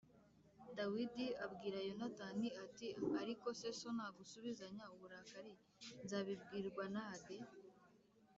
Dawidi abwira Yonatani ati “Ariko se, so nagusubizanya uburakari nzabibwirwa na de?”